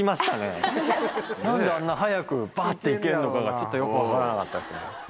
何であんな早くバって行けんのかがちょっとよく分からなかったですね。